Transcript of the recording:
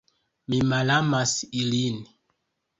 Mi malamas ilin.